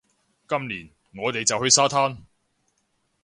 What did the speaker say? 今年，我哋就去沙灘